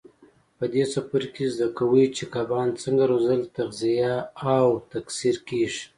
په دې څپرکي کې زده کوئ چې کبان څنګه روزل تغذیه او تکثیر کېږي.